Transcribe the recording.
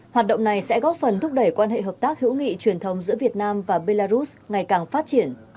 hoạt động này sẽ góp phần thúc đẩy quan hệ hợp tác hữu nghị truyền thống giữa việt nam và belarus ngày càng phát triển